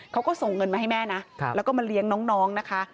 เขาก็ส่งเงินมาให้แม่นะแล้วก็มาเลี้ยงน้องนะคะ